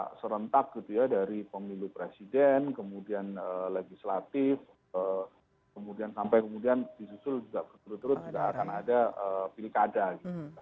pilkada serentak gitu ya dari pemilu presiden kemudian legislatif kemudian sampai kemudian disusul juga berturut turut juga akan ada pilkada gitu